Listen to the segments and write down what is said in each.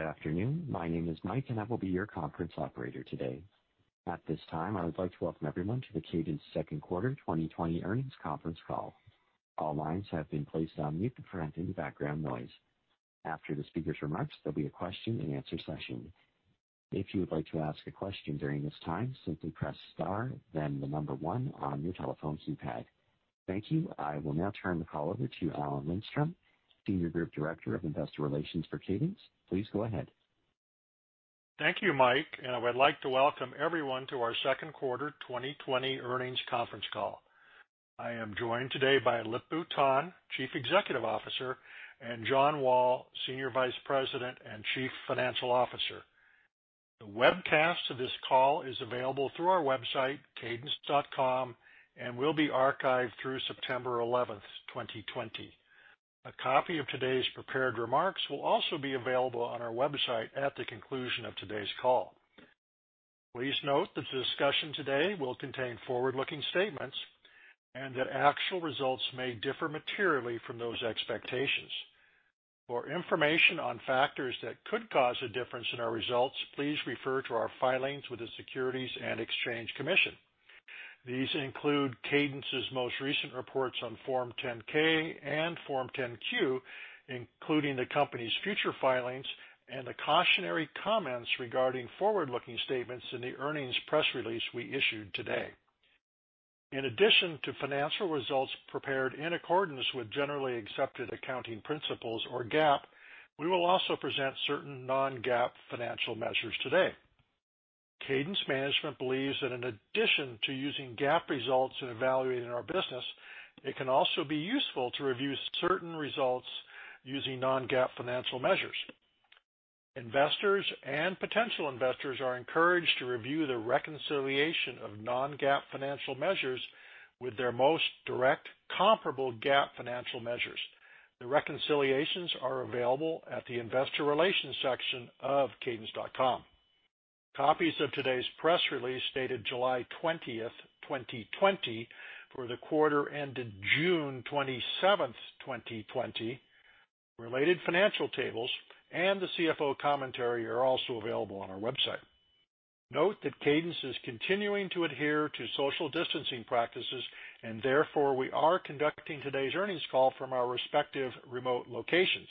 Good afternoon. My name is Mike, and I will be your conference operator today. At this time, I would like to welcome everyone to the Cadence second quarter 2020 earnings conference call. All lines have been placed on mute to prevent any background noise. After the speakers' remarks, there will be a question and answer session. If you would like to ask a question during this time, simply press star then the number one on your telephone's keypad. Thank you. I will now turn the call over to Alan Lindstrom, Senior Group Director of Investor Relations for Cadence. Please go ahead. Thank you, Mike. I would like to welcome everyone to our second quarter 2020 earnings conference call. I am joined today by Lip-Bu Tan, chief executive officer, and John Wall, senior vice president and chief financial officer. The webcast of this call is available through our website, cadence.com, and will be archived through September 11, 2020. A copy of today's prepared remarks will also be available on our website at the conclusion of today's call. Please note that the discussion today will contain forward-looking statements, and that actual results may differ materially from those expectations. For information on factors that could cause a difference in our results, please refer to our filings with the Securities and Exchange Commission. These include Cadence's most recent reports on Form 10-K and Form 10-Q, including the company's future filings and the cautionary comments regarding forward-looking statements in the earnings press release we issued today. In addition to financial results prepared in accordance with generally accepted accounting principles or GAAP, we will also present certain non-GAAP financial measures today. Cadence management believes that in addition to using GAAP results in evaluating our business, it can also be useful to review certain results using non-GAAP financial measures. Investors and potential investors are encouraged to review the reconciliation of non-GAAP financial measures with their most direct comparable GAAP financial measures. The reconciliations are available at the investor relations section of cadence.com. Copies of today's press release, dated July 20th, 2020, for the quarter ended June 27th, 2020, related financial tables, and the CFO commentary are also available on our website. Note that Cadence is continuing to adhere to social distancing practices, therefore, we are conducting today's earnings call from our respective remote locations.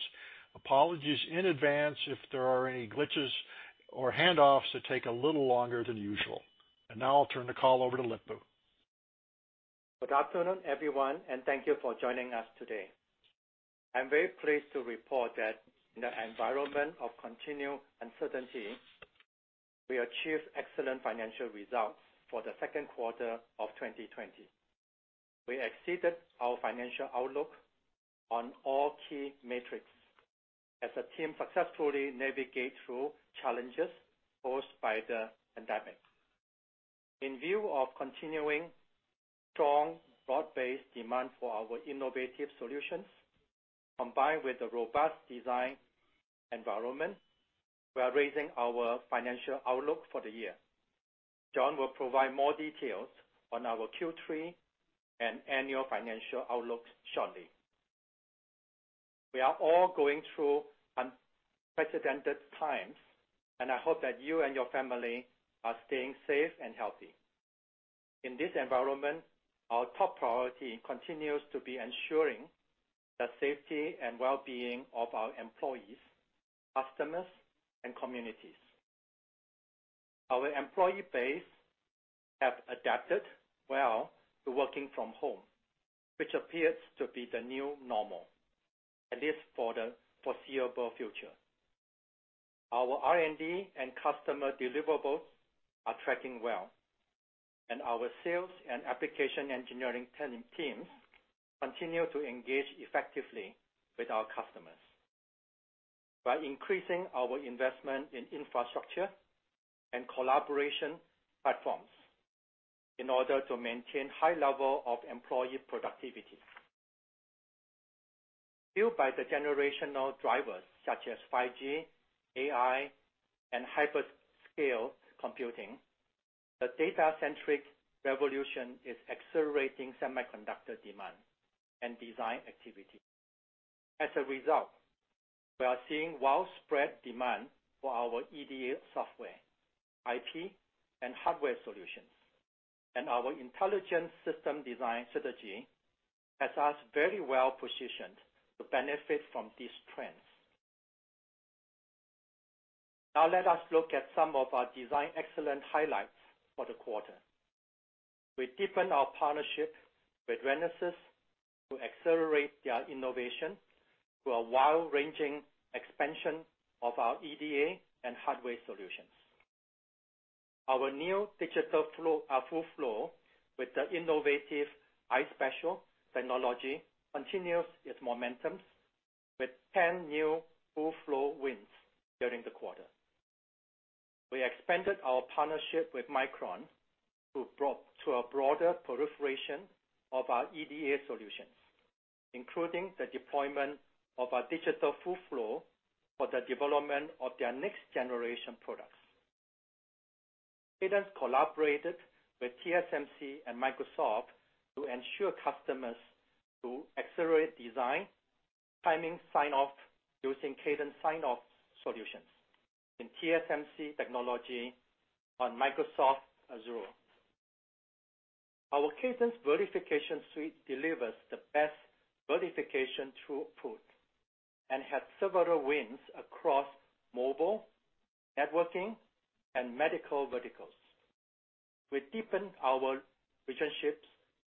Apologies in advance if there are any glitches or handoffs that take a little longer than usual. Now I'll turn the call over to Lip-Bu. Good afternoon, everyone, and thank you for joining us today. I'm very pleased to report that in the environment of continued uncertainty, we achieved excellent financial results for the second quarter of 2020. We exceeded our financial outlook on all key metrics as the team successfully navigate through challenges posed by the pandemic. In view of continuing strong, broad-based demand for our innovative solutions, combined with the robust design environment, we are raising our financial outlook for the year. John will provide more details on our Q3 and annual financial outlook shortly. We are all going through unprecedented times, and I hope that you and your family are staying safe and healthy. In this environment, our top priority continues to be ensuring the safety and well-being of our employees, customers, and communities. Our employee base have adapted well to working from home, which appears to be the new normal, at least for the foreseeable future. Our R&D and customer deliverables are tracking well, our sales and application engineering teams continue to engage effectively with our customers by increasing our investment in infrastructure and collaboration platforms in order to maintain high level of employee productivity. Fueled by the generational drivers such as 5G, AI, and hyperscale computing, the data-centric revolution is accelerating semiconductor demand and design activity. As a result, we are seeing widespread demand for our EDA software, IP, and hardware solutions, our intelligent system design strategy has us very well positioned to benefit from these trends. Let us look at some of our design excellence highlights for the quarter. We deepened our partnership with Renesas to accelerate their innovation through a wide-ranging expansion of our EDA and hardware solutions. Our new digital full flow with the innovative iSpatial technology continues its momentums with 10 new full-flow wins during the quarter. We expanded our partnership with Micron to a broader proliferation of our EDA solutions, including the deployment of our digital full flow for the development of their next-generation products. Cadence collaborated with TSMC and Microsoft to ensure customers to accelerate design timing sign-off using Cadence sign-off solutions in TSMC technology on Microsoft Azure. Our Cadence Verification Suite delivers the best verification throughput and had several wins across mobile, networking, and medical verticals. We deepened our relationships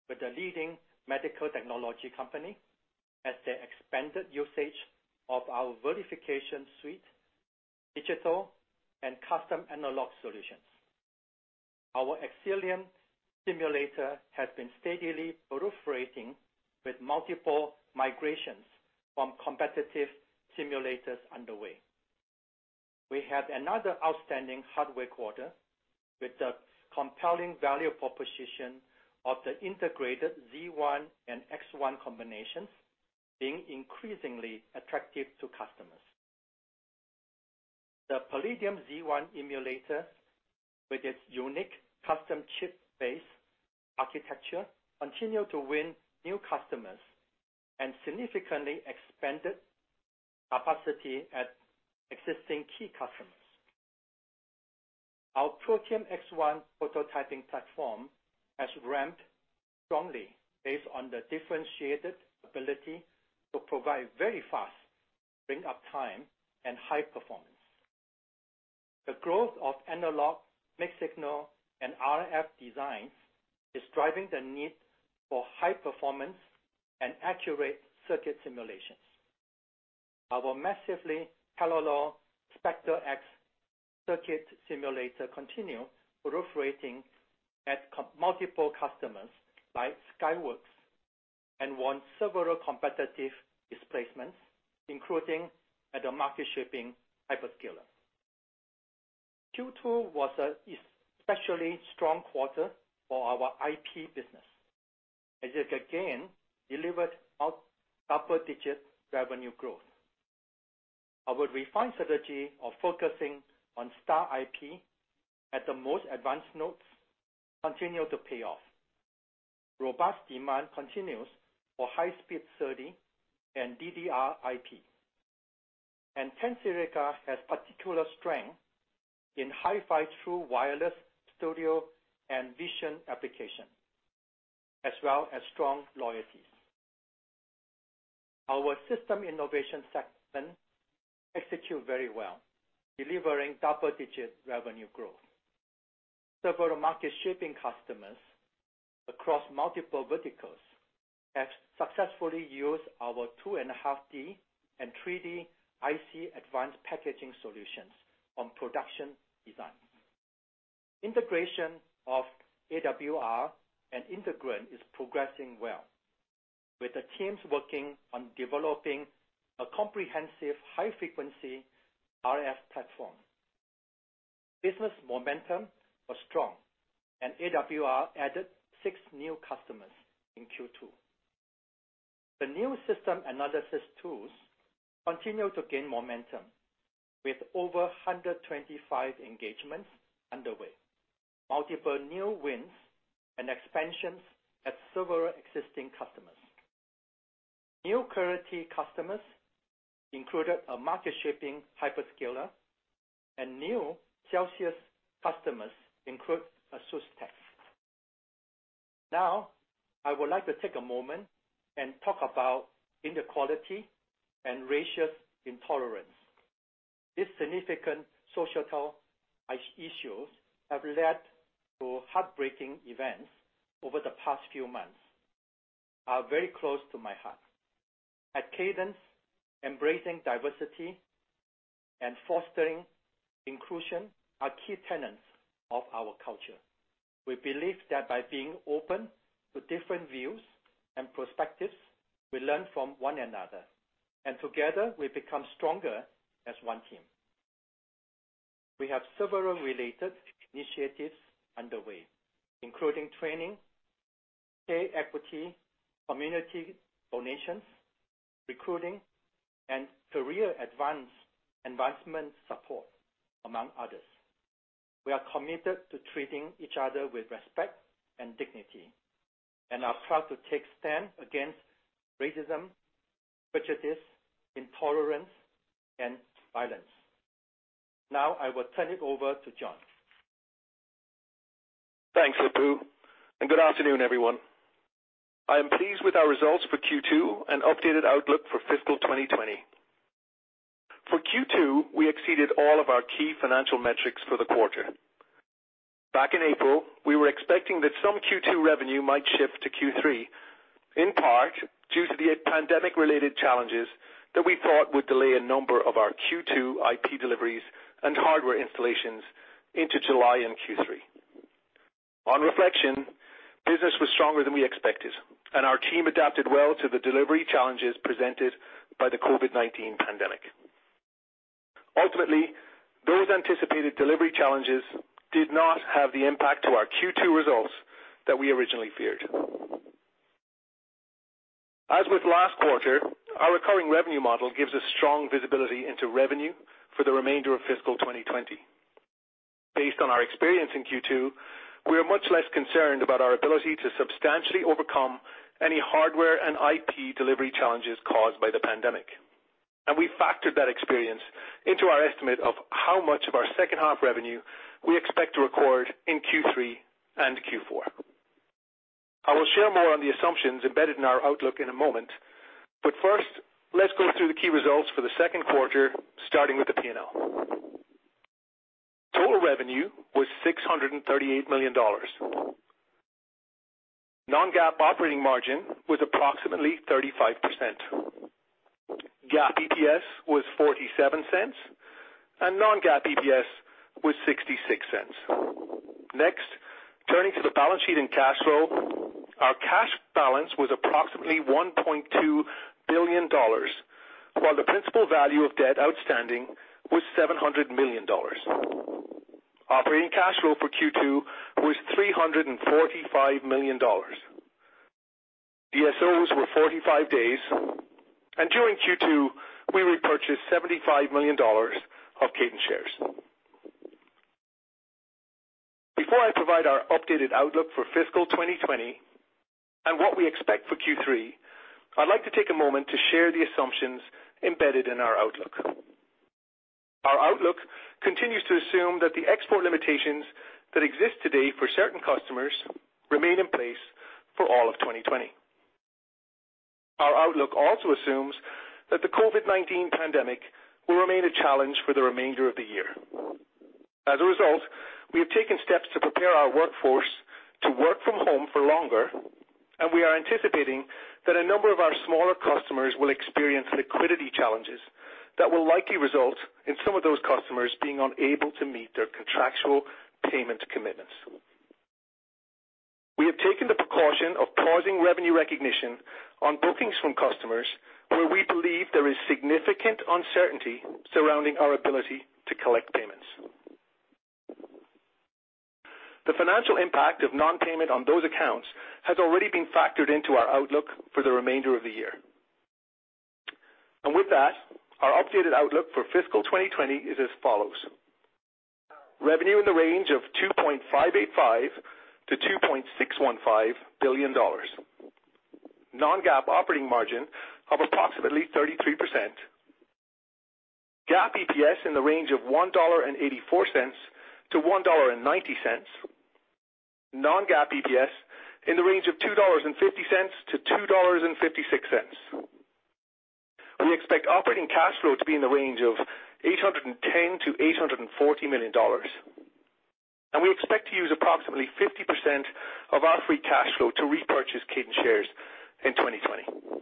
with the leading medical technology company as they expanded usage of our verification suite, digital and custom analog solutions. Our Xcelium simulator has been steadily proliferating with multiple migrations from competitive simulators underway. We had another outstanding hardware quarter with the compelling value proposition of the integrated Z1 and X1 combinations being increasingly attractive to customers. The Palladium Z1 emulator, with its unique custom chip-based architecture, continue to win new customers and significantly expanded capacity at existing key customers. Our Protium X1 prototyping platform has ramped strongly based on the differentiated ability to provide very fast bring-up time and high performance. The growth of analog, mixed-signal, and RF designs is driving the need for high performance and accurate circuit simulations. Our massively parallel Spectre X circuit simulator continue proliferating at multiple customers like Skyworks, and won several competitive displacements, including at a market-shaping hyperscaler. Q2 was an especially strong quarter for our IP business, as it again delivered out double-digit revenue growth. Our refined strategy of focusing on star IP at the most advanced nodes continued to pay off. Robust demand continues for high-speed SerDes and DDR IP. Tensilica has particular strength in HiFi true wireless stereo and vision application, as well as strong royalties. Our system innovation segment execute very well, delivering double-digit revenue growth. Several market-shaping customers across multiple verticals have successfully used our 2.5D and 3D IC advanced packaging solutions on production design. Integration of AWR and Integrand is progressing well, with the teams working on developing a comprehensive high-frequency RF platform. Business momentum was strong. AWR added six new customers in Q2. The new System Analysis tools continue to gain momentum with over 125 engagements underway, multiple new wins, and expansions at several existing customers. New Clarity customers included a market-shaping hyperscaler. New Celsius customers include ASE Technology. Now, I would like to take a moment and talk about inequality and racial intolerance. These significant societal issues have led to heartbreaking events over the past few months, are very close to my heart. At Cadence, embracing diversity and fostering inclusion are key tenets of our culture. We believe that by being open to different views and perspectives, we learn from one another, and together, we become stronger as one team. We have several related initiatives underway, including training, pay equity, community donations, recruiting, and career advancement support, among others. We are committed to treating each other with respect and dignity and are proud to take a stand against racism, prejudice, intolerance, and violence. Now, I will turn it over to John. Thanks, Lip-Bu, good afternoon, everyone. I am pleased with our results for Q2 and updated outlook for fiscal 2020. For Q2, we exceeded all of our key financial metrics for the quarter. Back in April, we were expecting that some Q2 revenue might shift to Q3, in part due to the pandemic-related challenges that we thought would delay a number of our Q2 IP deliveries and hardware installations into July in Q3. On reflection, business was stronger than we expected, and our team adapted well to the delivery challenges presented by the COVID-19 pandemic. Ultimately, those anticipated delivery challenges did not have the impact to our Q2 results that we originally feared. As with last quarter, our recurring revenue model gives us strong visibility into revenue for the remainder of fiscal 2020. Based on our experience in Q2, we are much less concerned about our ability to substantially overcome any hardware and IP delivery challenges caused by the pandemic, and we factored that experience into our estimate of how much of our second half revenue we expect to record in Q3 and Q4. I will share more on the assumptions embedded in our outlook in a moment, but first, let's go through the key results for the second quarter, starting with the P&L. Total revenue was $638 million. Non-GAAP operating margin was approximately 35%. GAAP EPS was $0.47, and non-GAAP EPS was $0.66. Next, turning to the balance sheet and cash flow, our cash balance was approximately $1.2 billion, while the principal value of debt outstanding was $700 million. Operating cash flow for Q2 was $345 million. DSOs were 45 days, and during Q2, we repurchased $75 million of Cadence shares. Before I provide our updated outlook for fiscal 2020 and what we expect for Q3, I'd like to take a moment to share the assumptions embedded in our outlook. Our outlook continues to assume that the export limitations that exist today for certain customers remain in place for all of 2020. Our outlook also assumes that the COVID-19 pandemic will remain a challenge for the remainder of the year. As a result, we have taken steps to prepare our workforce to work from home for longer, and we are anticipating that a number of our smaller customers will experience liquidity challenges that will likely result in some of those customers being unable to meet their contractual payment commitments. We have taken the precaution of pausing revenue recognition on bookings from customers where we believe there is significant uncertainty surrounding our ability to collect payments. The financial impact of non-payment on those accounts has already been factored into our outlook for the remainder of the year. With that, our updated outlook for fiscal 2020 is as follows. Revenue in the range of $2.585 to $2.615 billion. Non-GAAP operating margin of approximately 33%. GAAP EPS in the range of $1.84 to $1.90. Non-GAAP EPS in the range of $2.50 to $2.56. We expect operating cash flow to be in the range of $810 to $840 million, and we expect to use approximately 50% of our free cash flow to repurchase Cadence shares in 2020.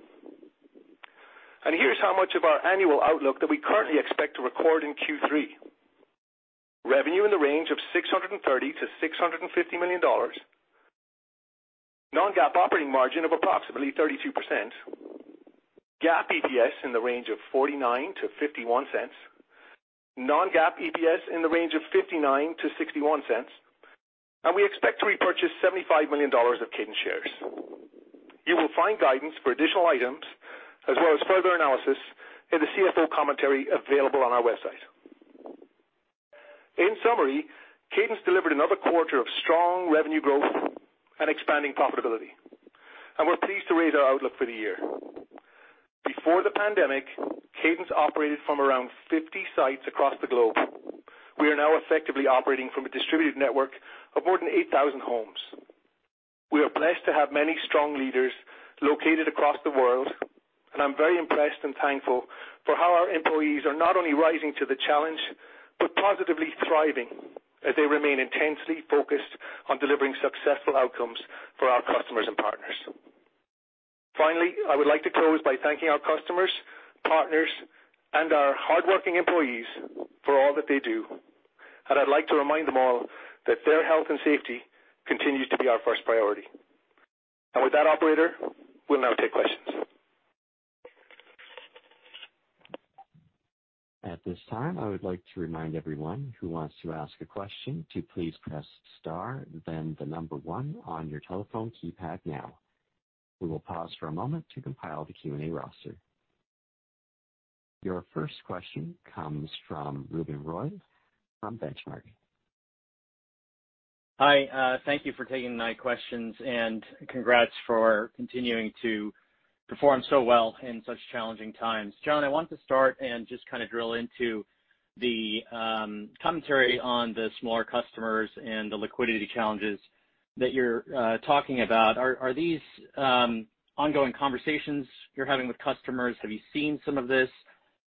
Here's how much of our annual outlook that we currently expect to record in Q3. Revenue in the range of $630 to $650 million. Non-GAAP operating margin of approximately 32%. GAAP EPS in the range of $0.49-$0.51. Non-GAAP EPS in the range of $0.59-$0.61. We expect to repurchase $75 million of Cadence shares. You will find guidance for additional items as well as further analysis in the CFO commentary available on our website. In summary, Cadence delivered another quarter of strong revenue growth and expanding profitability. We're pleased to raise our outlook for the year. Before the pandemic, Cadence operated from around 50 sites across the globe. We are now effectively operating from a distributed network of more than 8,000 homes. We are blessed to have many strong leaders located across the world, and I'm very impressed and thankful for how our employees are not only rising to the challenge, but positively thriving as they remain intensely focused on delivering successful outcomes for our customers and partners. Finally, I would like to close by thanking our customers, partners, and our hardworking employees for all that they do, and I'd like to remind them all that their health and safety continues to be our first priority. With that, operator, we'll now take questions. At this time, I would like to remind everyone who wants to ask a question to please press star, then the number 1 on your telephone keypad now. We will pause for a moment to compile the Q&A roster. Your first question comes from Ruben Roy from Benchmark. Hi. Thank you for taking my questions, and congrats for continuing to perform so well in such challenging times. John, I want to start and just kind of drill into the commentary on the smaller customers and the liquidity challenges that you're talking about. Are these ongoing conversations you're having with customers? Have you seen some of this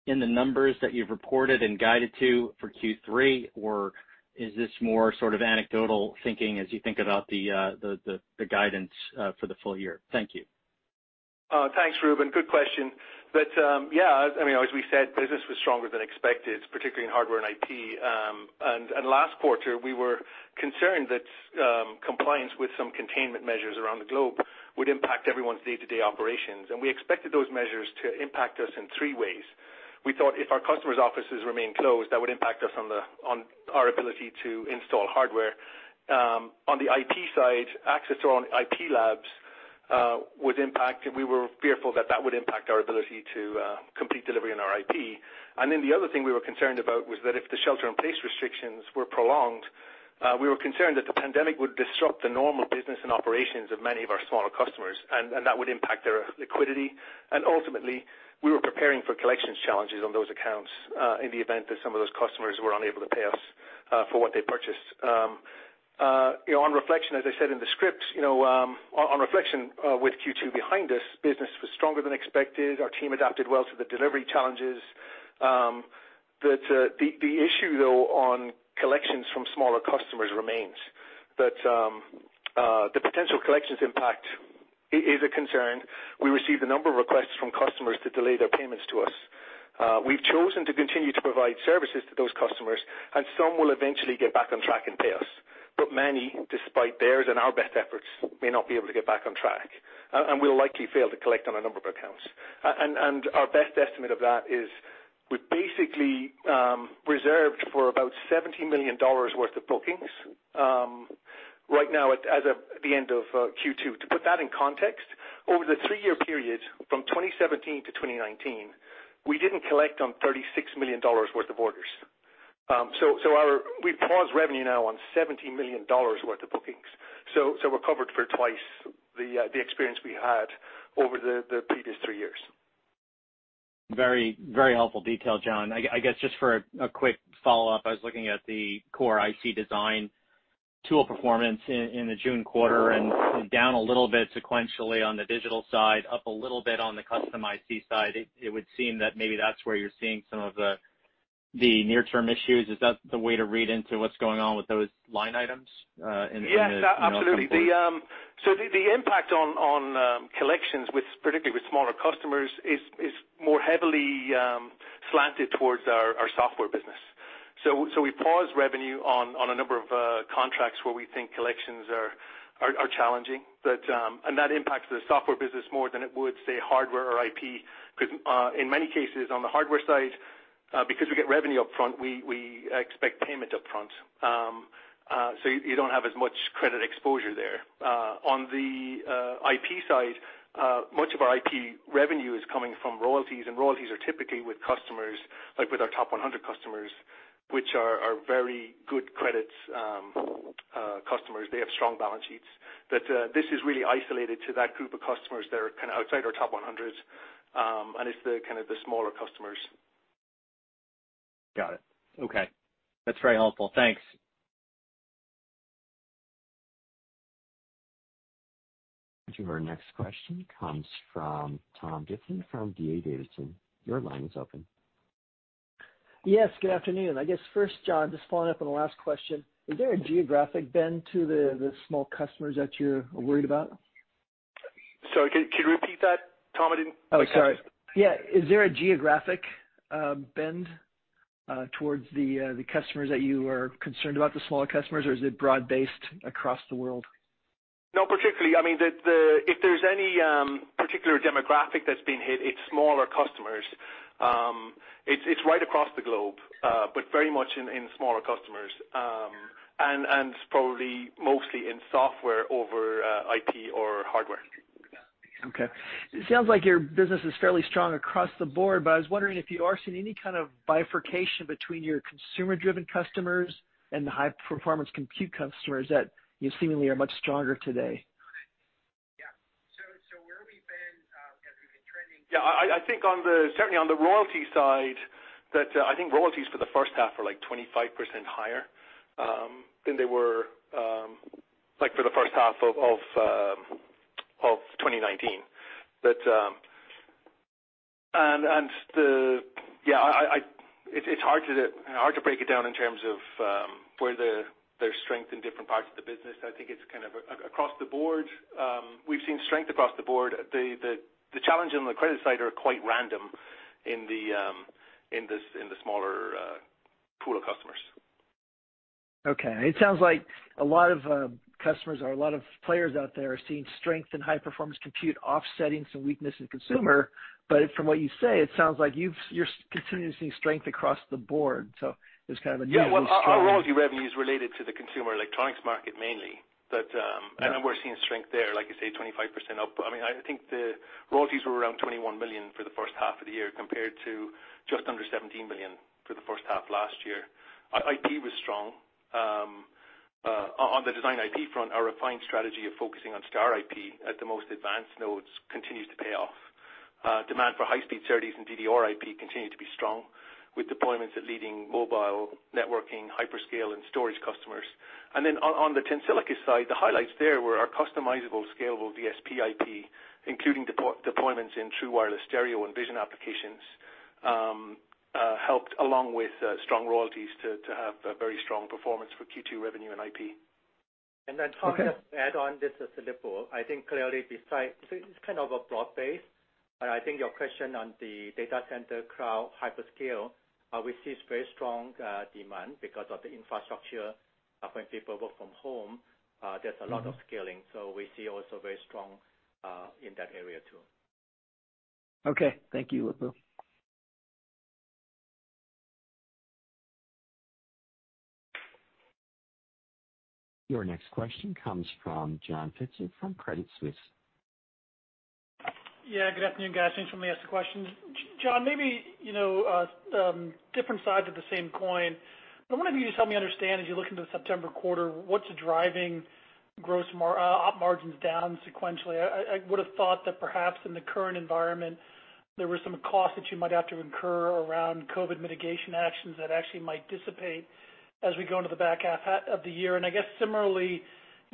in the numbers that you've reported and guided to for Q3, or is this more sort of anecdotal thinking as you think about the guidance for the full year? Thank you. Thanks, Ruben. Good question. Yeah, as we said, business was stronger than expected, particularly in hardware and IP. Last quarter, we were concerned that compliance with some containment measures around the globe would impact everyone's day-to-day operations, and we expected those measures to impact us in three ways. We thought if our customers' offices remain closed, that would impact us on our ability to install hardware. On the IP side, access to our own IP labs was impacted. We were fearful that that would impact our ability to complete delivery on our IP. Then the other thing we were concerned about was that if the shelter in place restrictions were prolonged, we were concerned that the pandemic would disrupt the normal business and operations of many of our smaller customers, and that would impact their liquidity. Ultimately, we were preparing for collections challenges on those accounts, in the event that some of those customers were unable to pay us for what they purchased. On reflection, as I said in the script, on reflection with Q2 behind us, business was stronger than expected. Our team adapted well to the delivery challenges. The issue though, on collections from smaller customers remains. That the potential collections impact is a concern. We received a number of requests from customers to delay their payments to us. We've chosen to continue to provide services to those customers, and some will eventually get back on track and pay us. Many, despite theirs and our best efforts, may not be able to get back on track. We'll likely fail to collect on a number of accounts. Our best estimate of that is we've basically reserved for about $17 million worth of bookings right now as of the end of Q2. To put that in context, over the three-year period from 2017 to 2019, we didn't collect on $36 million worth of orders. We've paused revenue now on $17 million worth of bookings. We're covered for twice the experience we had over the previous three years. Very helpful detail, John. I guess just for a quick follow-up, I was looking at the core IC design tool performance in the June quarter, and down a little bit sequentially on the digital side, up a little bit on the custom IC side. It would seem that maybe that's where you're seeing some of the near-term issues. Is that the way to read into what's going on with those line items in the-? Yeah, absolutely. The impact on collections, particularly with smaller customers, is more heavily slanted towards our software business. We pause revenue on a number of contracts where we think collections are challenging. That impacts the software business more than it would, say, hardware or IP, because in many cases on the hardware side, because we get revenue upfront, we expect payment upfront. You don't have as much credit exposure there. On the IP side, much of our IP revenue is coming from royalties, and royalties are typically with customers, like with our top 100 customers, which are very good credits customers. They have strong balance sheets. That this is really isolated to that group of customers that are kind of outside our top 100, and it's the kind of the smaller customers. Got it. Okay. That's very helpful. Thanks. Our next question comes from Tom Diffely from D.A. Davidson. Your line is open. Yes, good afternoon. I guess first, John, just following up on the last question, is there a geographic bend to the small customers that you're worried about? Sorry, could you repeat that, Tom? I didn't catch that. Oh, sorry. Yeah, is there a geographic bend towards the customers that you are concerned about, the smaller customers, or is it broad-based across the world? Not particularly. If there's any particular demographic that's been hit, it's smaller customers. It's right across the globe, but very much in smaller customers, and probably mostly in software over IP or hardware. Okay. It sounds like your business is fairly strong across the board. I was wondering if you are seeing any kind of bifurcation between your consumer-driven customers and the high-performance compute customers that seemingly are much stronger today. Yeah. Where we've been, as we've been trending Yeah, I think certainly on the royalty side, that I think royalties for the first half are like 25% higher than they were for the first half of 2019. It's hard to break it down in terms of where there's strength in different parts of the business. I think it's kind of across the board. We've seen strength across the board. The challenge on the credit side are quite random in the smaller pool of customers. Okay. It sounds like a lot of customers or a lot of players out there are seeing strength in high-performance compute offsetting some weakness in consumer, but from what you say, it sounds like you're continuing to see strength across the board. There's kind of a new. Yeah. Well, our royalty revenue is related to the consumer electronics market mainly, and we're seeing strength there, like you say, 25% up. I think the royalties were around $21 million for the first half of the year compared to just under $17 million for the first half last year. IP was strong. On the design IP front, our refined strategy of focusing on star IP at the most advanced nodes continues to pay off. Demand for high-speed SerDes and DDR IP continue to be strong with deployments at leading mobile, networking, hyperscale, and storage customers. On the Tensilica side, the highlights there were our customizable scalable Vision DSP IP, including deployments in true wireless stereo and vision applications, helped along with strong royalties to have a very strong performance for Q2 revenue and IP. Okay. Tom, just to add on, this is Lip-Bu. I think clearly besides, it's kind of a broad base, but I think your question on the data center cloud hyperscale, we see very strong demand because of the infrastructure when people work from home, there's a lot of scaling. We see also very strong in that area, too. Okay. Thank you, Lip-Bu. Your next question comes from John Pitzer from Credit Suisse. Yeah. Good afternoon, guys. Thanks for letting me ask the question. John, maybe different sides of the same coin, but I wonder if you could just help me understand as you look into the September quarter, what's driving gross op margins down sequentially? I would've thought that perhaps in the current environment there were some costs that you might have to incur around COVID mitigation actions that actually might dissipate as we go into the back half of the year. I guess similarly,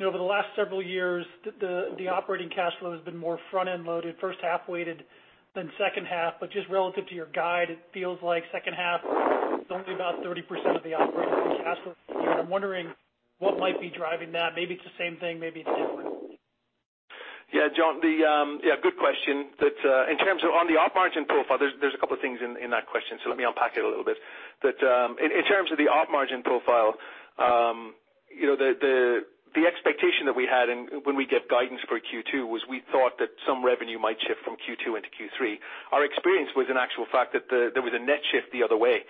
over the last several years, the operating cash flow has been more front-end loaded, first-half weighted than second-half. Just relative to your guide, it feels like the second-half is only about 30% of the operating cash flow. I'm wondering what might be driving that. Maybe it's the same thing, maybe it's different. Yeah, John, good question. On the op margin profile, there is a couple of things in that question, so let me unpack it a little bit. In terms of the op margin profile, the expectation that we had when we gave guidance for Q2 was we thought that some revenue might shift from Q2 into Q3. Our experience was in actual fact that there was a net shift the other way.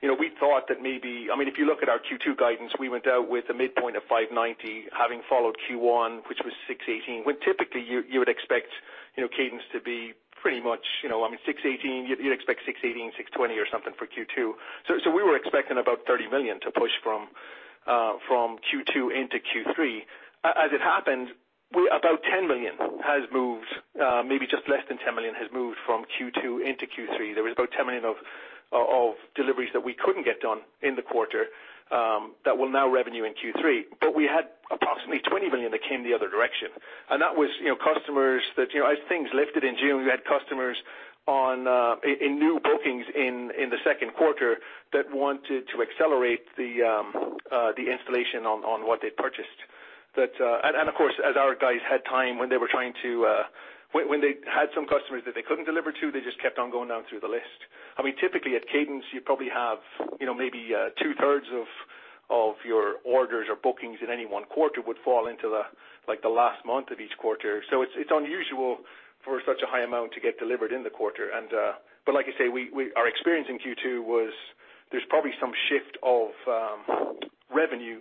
If you look at our Q2 guidance, we went out with a midpoint of $590 million having followed Q1, which was $618 million, when typically you would expect Cadence to be pretty much, you would expect $618 million, $620 million or something for Q2. We were expecting about $30 million to push from Q2 into Q3. As it happened, about $10 million has moved, maybe just less than $10 million has moved from Q2 into Q3. There was about $10 million of deliveries that we couldn't get done in the quarter, that will now revenue in Q3. We had approximately $20 million that came the other direction, and that was customers that as things lifted in June, we had customers in new bookings in the second quarter that wanted to accelerate the installation on what they'd purchased. Of course, as our guys had time when they had some customers that they couldn't deliver to, they just kept on going down through the list. Typically at Cadence, you probably have maybe two-thirds of your orders or bookings in any one quarter would fall into the last month of each quarter. It's unusual for such a high amount to get delivered in the quarter. Like I say, our experience in Q2 was there's probably some shift of revenue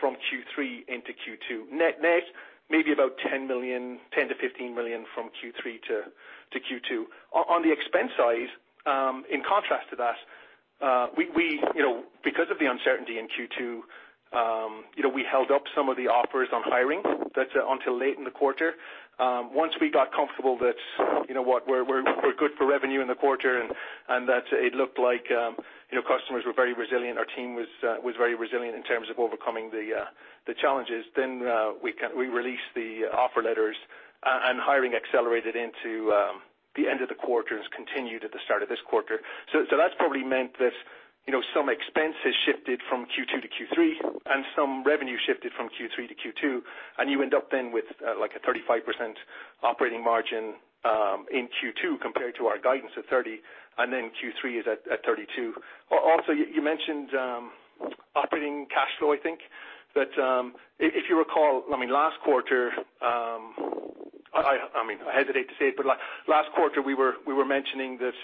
from Q3 into Q2. Net net, maybe about $10 million-$15 million from Q3 to Q2. On the expense side, in contrast to that, because of the uncertainty in Q2, we held up some of the offers on hiring until late in the quarter. Once we got comfortable that we're good for revenue in the quarter, and that it looked like customers were very resilient, our team was very resilient in terms of overcoming the challenges, we released the offer letters, hiring accelerated into the end of the quarter and has continued at the start of this quarter. That's probably meant that some expenses shifted from Q2 to Q3, some revenue shifted from Q3 to Q2, you end up then with a 35% operating margin in Q2 compared to our guidance of 30%, Q3 is at 32%. Also, you mentioned operating cash flow, I think. If you recall, last quarter, I hesitate to say it, but last quarter we were mentioning that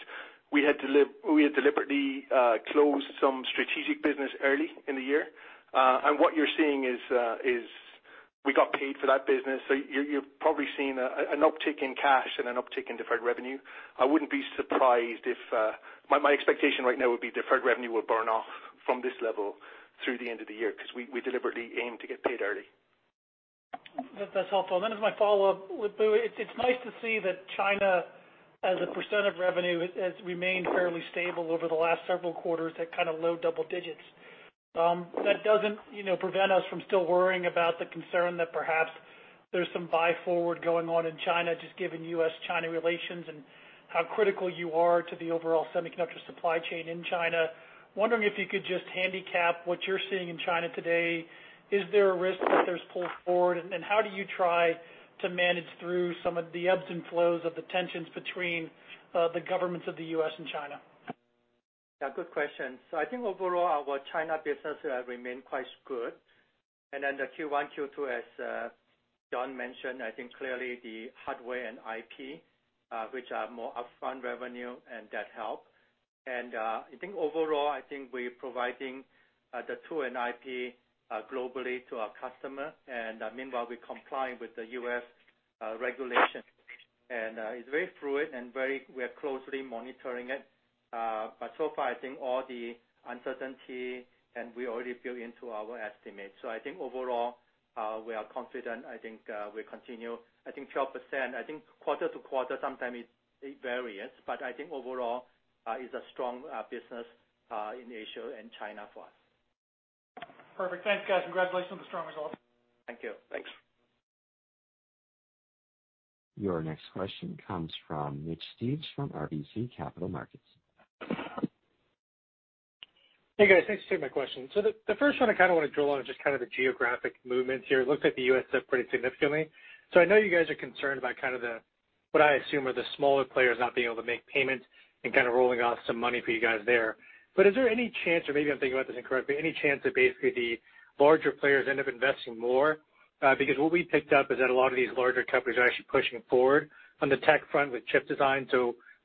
we had deliberately closed some strategic business early in the year. What you're seeing is we got paid for that business. You've probably seen an uptick in cash and an uptick in deferred revenue. My expectation right now would be deferred revenue will burn off from this level through the end of the year because we deliberately aim to get paid early. That's helpful. As my follow-up with Bu, it's nice to see that China as a % of revenue has remained fairly stable over the last several quarters at kind of low double digits. That doesn't prevent us from still worrying about the concern that perhaps there's some buy forward going on in China, just given U.S.-China relations and how critical you are to the overall semiconductor supply chain in China. Wondering if you could just handicap what you're seeing in China today. Is there a risk that there's pull forward? How do you try to manage through some of the ebbs and flows of the tensions between the governments of the U.S. and China? Good question. I think overall our China business remain quite good. The Q1, Q2, as John mentioned, I think clearly the hardware and IP, which are more upfront revenue and that help. I think overall, we're providing the tool and IP globally to our customer, and meanwhile, we're complying with the U.S. regulation. It's very fluid and we are closely monitoring it. So far, I think all the uncertainty and we already built into our estimate. I think overall, we are confident. I think we continue 12%, I think quarter-to-quarter, sometime it varies, but I think overall, it's a strong business in Asia and China for us. Perfect. Thanks, guys. Congratulations on the strong results. Thank you. Thanks. Your next question comes from Mitch Steves from RBC Capital Markets. Hey, guys. Thanks for taking my question. The first one I kind of want to drill on is just kind of the geographic movements here. It looks like the U.S. is up pretty significantly. I know you guys are concerned about kind of what I assume are the smaller players not being able to make payments and kind of rolling off some money for you guys there. Is there any chance, or maybe I'm thinking about this incorrectly, any chance that basically the larger players end up investing more? Because what we picked up is that a lot of these larger companies are actually pushing forward on the tech front with chip design.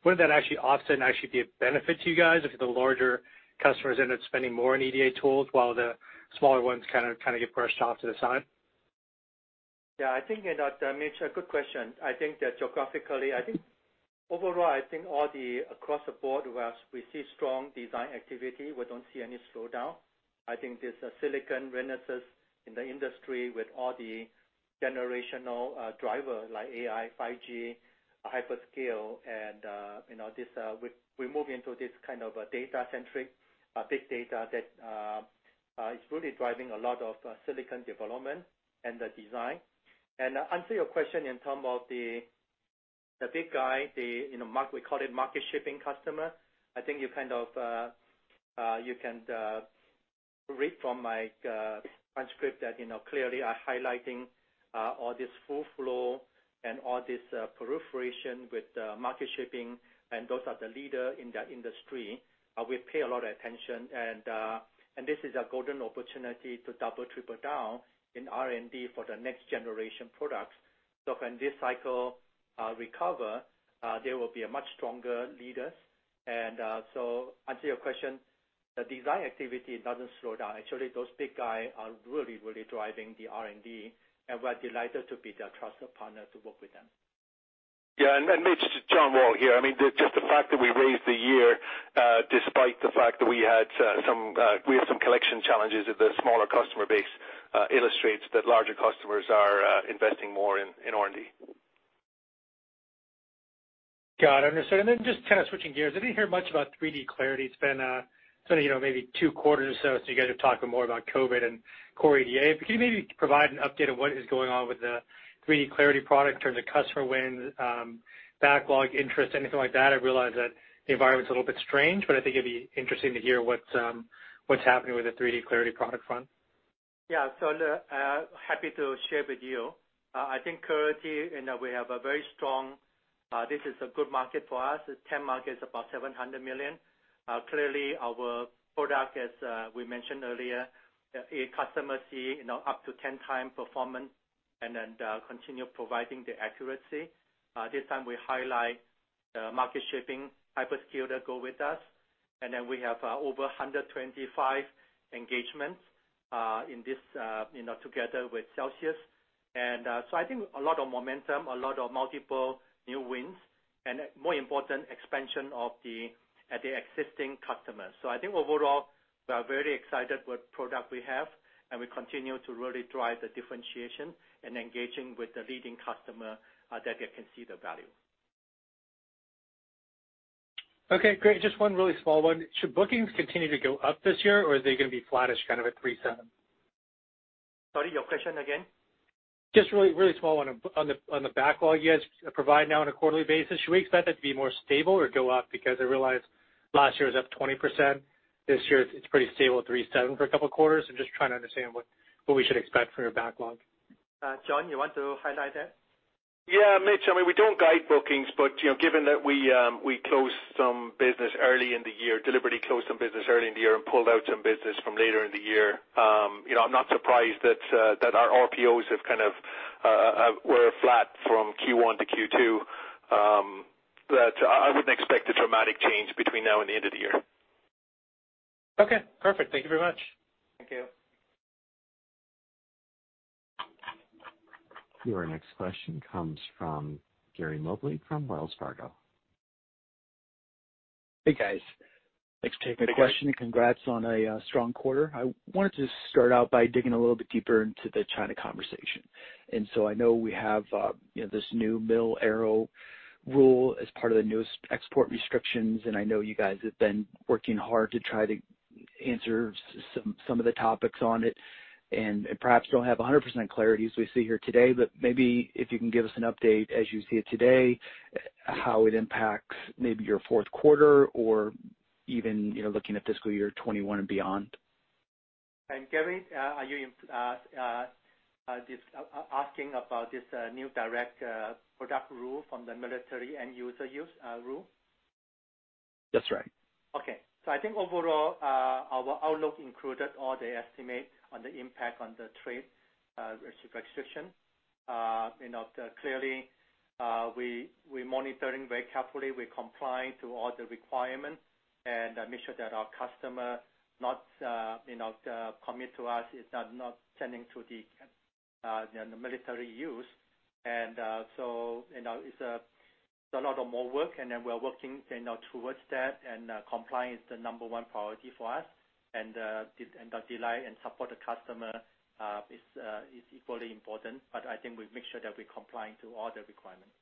Wouldn't that actually offset and actually be a benefit to you guys if the larger customers ended up spending more on EDA tools while the smaller ones kind of get brushed off to the side? I think, Mitch, a good question. I think that geographically, overall, across the board, we see strong design activity. We don't see any slowdown. I think there's a silicon renaissance in the industry with all the generational driver like AI, 5G, hyperscale, and we move into this kind of data-centric, big data that is really driving a lot of silicon development and the design. To answer your question in term of the big guy, we call it market-shaping customer. I think you can read from my transcript that clearly I highlighting all this full flow and all this proliferation with market-shaping, those are the leader in the industry. We pay a lot of attention, this is a golden opportunity to double, triple down in R&D for the next generation products. When this cycle recovers, there will be a much stronger leader. To answer your question, the design activity doesn't slow down. Actually, those big guys are really driving the R&D, and we're delighted to be their trusted partner to work with them. Mitch, John Wall here. I mean, just the fact that we raised the year, despite the fact that we have some collection challenges with the smaller customer base, illustrates that larger customers are investing more in R&D. Got it, understood. Then just kind of switching gears, I didn't hear much about 3D Clarity. It's been maybe two quarters or so you guys are talking more about COVID and core EDA. Can you maybe provide an update on what is going on with the 3D Clarity product in terms of customer wins, backlog interest, anything like that? I realize that the environment's a little bit strange, but I think it'd be interesting to hear what's happening with the 3D Clarity product front. Yeah. Happy to share with you. This is a good market for us. TAM market is about $700 million. Clearly, our product, as we mentioned earlier, customers see up to 10x performance and continue providing the accuracy. This time we highlight market-shaping hyperscaler go with us. We have over 125 engagements in this together with Celsius. I think a lot of momentum, a lot of multiple new wins, and more important, expansion at the existing customers. I think overall, we are very excited what product we have, and we continue to really drive the differentiation and engaging with the leading customer that they can see the value. Okay, great. Just one really small one. Should bookings continue to go up this year, or are they going to be flattish kind of at three seven? Sorry, your question again? Just really small one. On the backlog you guys provide now on a quarterly basis, should we expect that to be more stable or go up? I realize last year was up 20%. This year it's pretty stable at $3.7 for a couple of quarters. I'm just trying to understand what we should expect for your backlog. John, you want to highlight that? Yeah, Mitch, we don't guide bookings, but given that we deliberately closed some business early in the year and pulled out some business from later in the year, I'm not surprised that our RPOs were flat from Q1 to Q2. I wouldn't expect a dramatic change between now and the end of the year. Okay, perfect. Thank you very much. Thank you. Your next question comes from Gary Mobley from Wells Fargo. Hey, guys. Thanks for taking the question. Congrats on a strong quarter. I wanted to start out by digging a little bit deeper into the China conversation. I know we have this new mil-aero rule as part of the newest export restrictions, and I know you guys have been working hard to try to answer some of the topics on it. Perhaps don't have 100% clarity as we sit here today, maybe if you can give us an update as you see it today, how it impacts maybe your fourth quarter or even looking at fiscal year 2021 and beyond? Gary, are you asking about this new direct product rule from the military end-user use rule? That's right. Okay. I think overall, our outlook included all the estimate on the impact on the trade restriction. Clearly, we're monitoring very carefully. We're complying to all the requirements and make sure that our customer commit to us is not tending to the military use. It's a lot of more work, and then we're working towards that, and compliance the number one priority for us. The delay and support the customer is equally important, but I think we make sure that we're complying to all the requirements.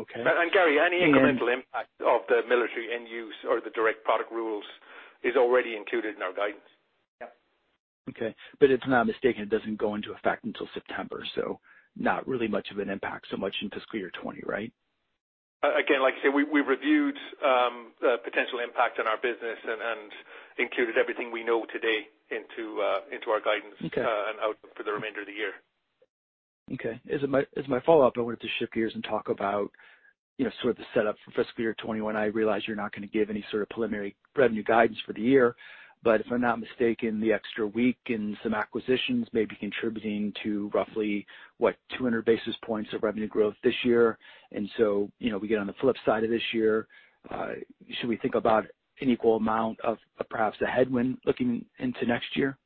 Okay. Gary, any incremental impact of the military end-use or the direct product rules is already included in our guidance. Yep. Okay. It's my understanding it doesn't go into effect until September, so not really much of an impact so much in fiscal year 2020, right? Like I said, we reviewed the potential impact on our business and included everything we know today into our guidance. Okay outlook for the remainder of the year. Okay. As my follow-up, I wanted to shift gears and talk about sort of the setup for fiscal year 2021. I realize you're not going to give any sort of preliminary revenue guidance for the year, but if I'm not mistaken, the extra week and some acquisitions may be contributing to roughly, what, 200 basis points of revenue growth this year. We get on the flip side of this year, should we think about an equal amount of perhaps a headwind looking into next year?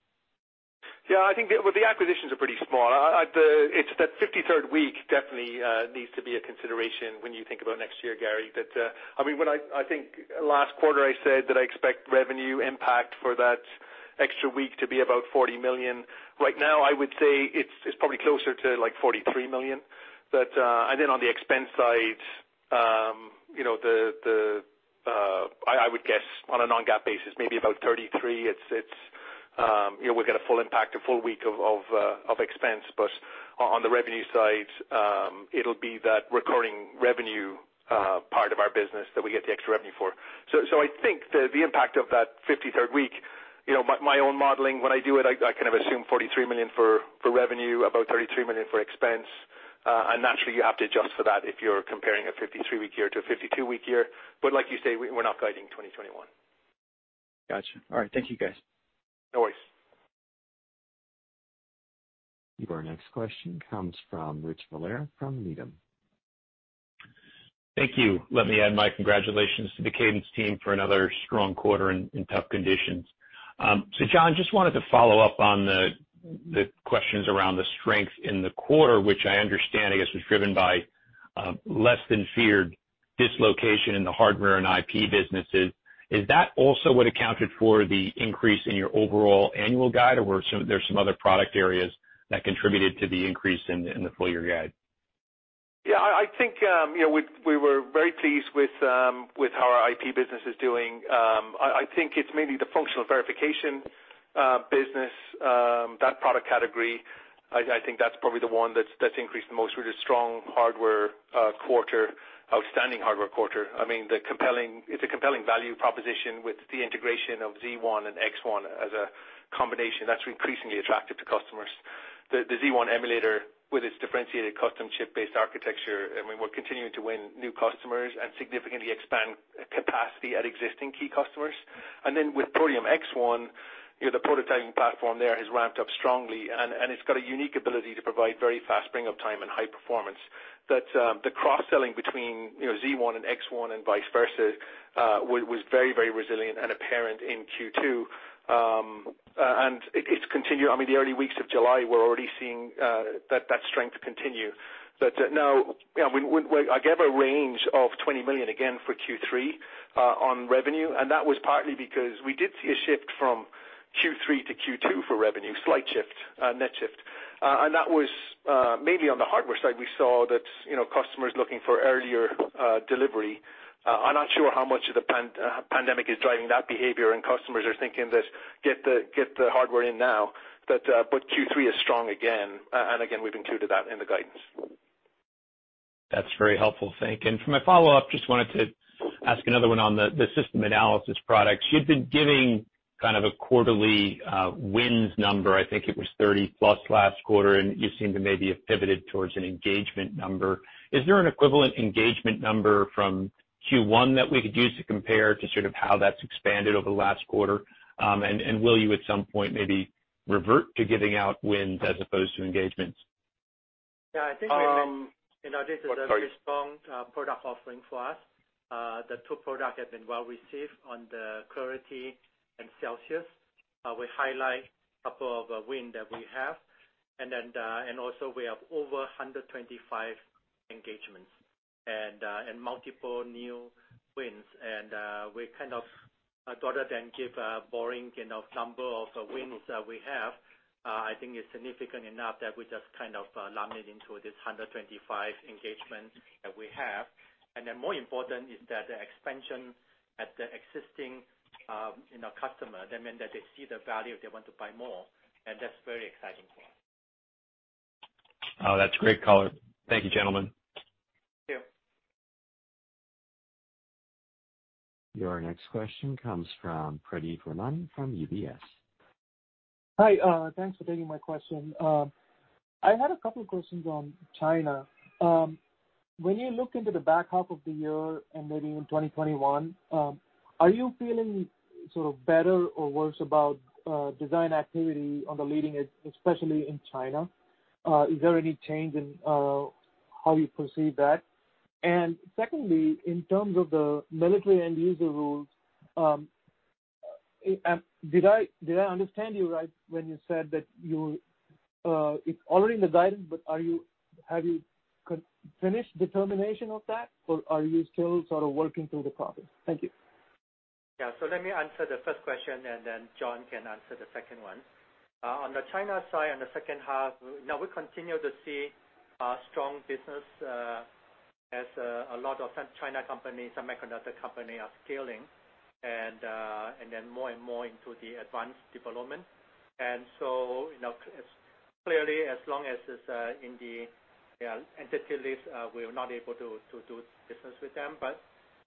I think, well, the acquisitions are pretty small. It is that 53rd week definitely needs to be a consideration when you think about next year, Gary. I think last quarter I said that I expect revenue impact for that extra week to be about $40 million. Right now, I would say it is probably closer to like $43 million. On the expense side, I would guess on a non-GAAP basis, maybe about $33 million. We will get a full impact, a full week of expense. On the revenue side, it will be that recurring revenue part of our business that we get the extra revenue for. I think the impact of that 53rd week, my own modeling when I do it, I kind of assume $43 million for revenue, about $33 million for expense. Naturally, you have to adjust for that if you're comparing a 53-week year to a 52-week year. Like you say, we're not guiding 2021. Got you. All right. Thank you, guys. No worries. Our next question comes from Rich Valera from Needham. Thank you. Let me add my congratulations to the Cadence team for another strong quarter in tough conditions. John, just wanted to follow up on the questions around the strength in the quarter, which I understand, I guess, was driven by less than feared dislocation in the hardware and IP businesses. Is that also what accounted for the increase in your overall annual guide, or there's some other product areas that contributed to the increase in the full-year guide? Yeah, I think, we were very pleased with how our IP business is doing. I think it's mainly the functional verification business, that product category, I think that's probably the one that's increased the most with a strong hardware quarter, outstanding hardware quarter. It's a compelling value proposition with the integration of Z1 and X1 as a combination that's increasingly attractive to customers. The Z1 emulator with its differentiated custom chip-based architecture, we're continuing to win new customers and significantly expand capacity at existing key customers. With Protium X1, the prototyping platform there has ramped up strongly, and it's got a unique ability to provide very fast bring-up time and high performance. The cross-selling between Z1 and X1 and vice versa, was very resilient and apparent in Q2. It's continued, the early weeks of July, we're already seeing that strength continue. Now, I gave a range of $20 million again for Q3 on revenue, and that was partly because we did see a shift from Q3 to Q2 for revenue, slight shift, net shift. That was mainly on the hardware side. We saw that customers looking for earlier delivery. I'm not sure how much of the pandemic is driving that behavior and customers are thinking that get the hardware in now, but Q3 is strong again. Again, we've included that in the guidance. That's very helpful, thank you. For my follow-up, just wanted to ask another one on the System Analysis products. You'd been giving kind of a quarterly wins number. I think it was 30+ last quarter, you seem to maybe have pivoted towards an engagement number. Is there an equivalent engagement number from Q1 that we could use to compare to sort of how that's expanded over the last quarter? Will you, at some point, maybe revert to giving out wins as opposed to engagements? Yeah, I think- What, sorry? This is a very strong product offering for us. The two products have been well received on the Clarity and Celsius. We highlight a couple of wins that we have. We have over 125 engagements and multiple new wins, rather than give a boring number of wins that we have, I think it's significant enough that we just kind of lump it into this 125 engagements that we have. More important is that the expansion at the existing customer, that means that they see the value, they want to buy more, and that's very exciting for us. Oh, that's great color. Thank you, gentlemen. Thank you. Your next question comes from Pradeep Ramani from UBS. Hi, thanks for taking my question. I had a couple questions on China. When you look into the back half of the year and maybe in 2021, are you feeling sort of better or worse about design activity on the leading edge, especially in China? Is there any change in how you perceive that? Secondly, in terms of the military end-use rules, did I understand you right when you said that it's already in the guidance, but have you finished determination of that, or are you still sort of working through the problem? Thank you. Let me answer the first question, and then John can answer the second one. On the China side, on the second half, we continue to see strong business, as a lot of China companies, semiconductor company are scaling and then more and more into the advanced development. Clearly, as long as it's in the entity list, we are not able to do business with them.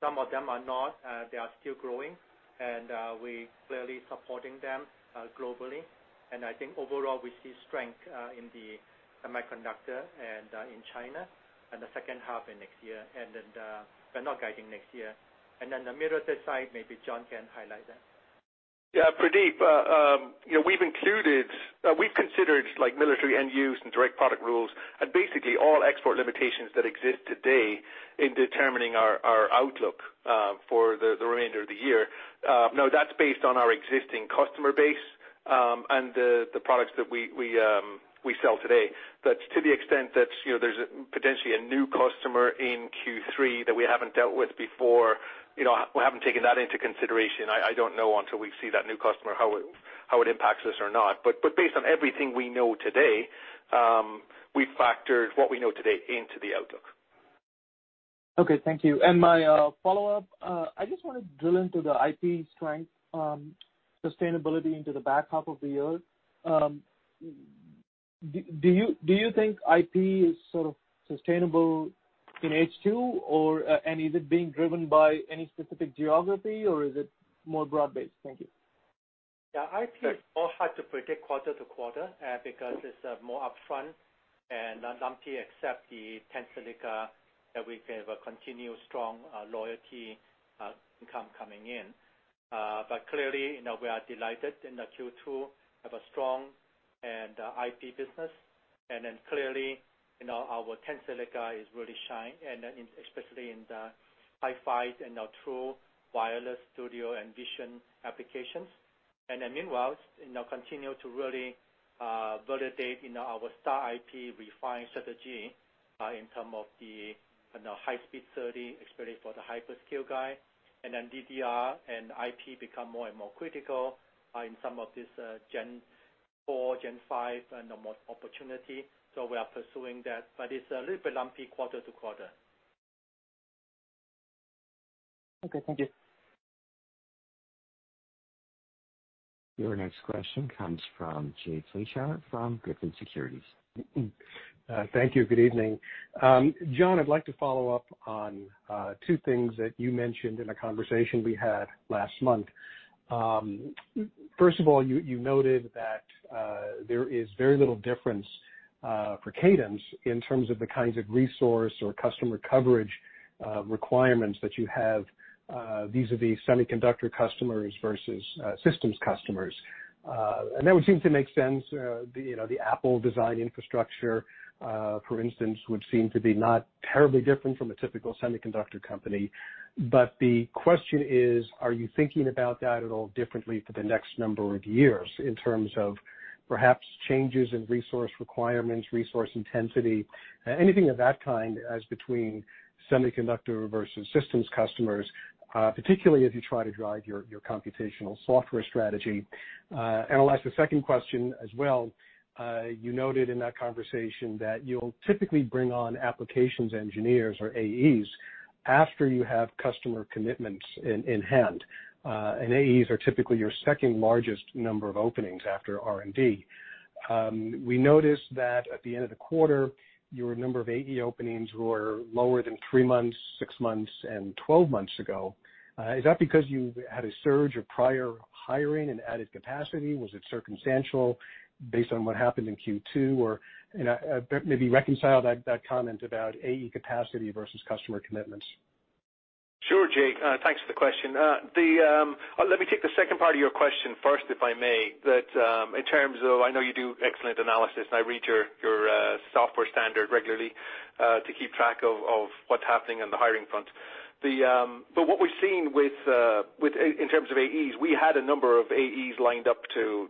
Some of them are not, they are still growing, and we clearly supporting them globally. I think overall, we see strength in the semiconductor and in China in the second half and next year. We're not guiding next year. The military side, maybe John can highlight that. Yeah, Pradeep, we've considered military end-use and direct product rules and basically all export limitations that exist today in determining our outlook for the remainder of the year. That's based on our existing customer base and the products that we sell today. To the extent that there's potentially a new customer in Q3 that we haven't dealt with before, we haven't taken that into consideration. I don't know until we see that new customer how it impacts us or not. Based on everything we know today, we've factored what we know today into the outlook. Okay, thank you. My follow-up, I just want to drill into the IP strength sustainability into the back half of the year. Do you think IP is sort of sustainable in H2, and is it being driven by any specific geography, or is it more broad-based? Thank you. Yeah, IP is more hard to predict quarter to quarter because it's more upfront and lumpy, except the Tensilica that we have a continued strong royalty income coming in. Clearly, we are delighted in the Q2, have a strong and IP business, and then clearly, our Tensilica is really shine, and especially in the HiFi and true wireless studio and vision applications. Meanwhile, continue to really validate our Star IP refined strategy in term of the high speed SerDes, especially for the hyperscale guy. DDR and IP become more and more critical in some of this Gen 4, Gen 5 and the opportunity. We are pursuing that, but it's a little bit lumpy quarter to quarter. Okay, thank you. Your next question comes from Jay Vleeschhouwer from Griffin Securities. Thank you. Good evening. John, I'd like to follow up on two things that you mentioned in a conversation we had last month. First of all, you noted that there is very little difference for Cadence in terms of the kinds of resource or customer coverage requirements that you have vis-a-vis semiconductor customers versus systems customers. That would seem to make sense. The Apple design infrastructure, for instance, would seem to be not terribly different from a typical semiconductor company. The question is, are you thinking about that at all differently for the next number of years in terms of perhaps changes in resource requirements, resource intensity, anything of that kind as between semiconductor versus systems customers, particularly as you try to drive your computational software strategy? I'll ask the second question as well. You noted in that conversation that you'll typically bring on applications engineers or AEs after you have customer commitments in hand, and AEs are typically your second-largest number of openings after R&D. We noticed that at the end of the quarter, your number of AE openings were lower than three months, six months, and 12 months ago. Is that because you had a surge of prior hiring and added capacity? Was it circumstantial based on what happened in Q2? Or maybe reconcile that comment about AE capacity versus customer commitments. Sure, Jay. Thanks for the question. Let me take the second part of your question first, if I may, that in terms of, I know you do excellent analysis, and I read your Software Standard regularly, to keep track of what's happening on the hiring front. What we've seen in terms of AEs, we had a number of AEs lined up to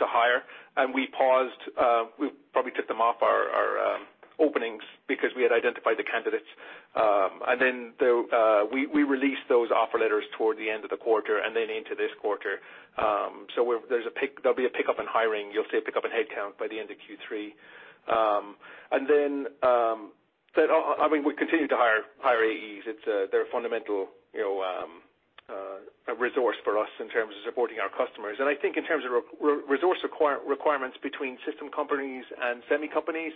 hire, and we paused. We probably took them off our openings because we had identified the candidates. We released those offer letters toward the end of the quarter and into this quarter. There'll be a pickup in hiring. You'll see a pickup in headcount by the end of Q3. We continue to hire AEs. They're a fundamental resource for us in terms of supporting our customers. I think in terms of resource requirements between system companies and semi companies,